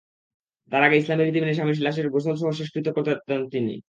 তার আগে ইসলামি রীতি মেনে স্বামীর লাশের গোসলসহ শেষকৃত্য করাতে চান তিনি।